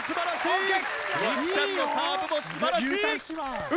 美空ちゃんのサーブも素晴らしい！